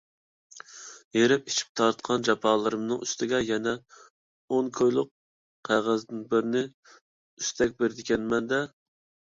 ھېرىپ - ئېچىپ تارتقان جاپالىرىمنىڭ ئۈستىگە يەنە ئون كويلۇق قەغەزدىن بىرنى ئۈستەك بېرىدىكەنمەن - دە؟!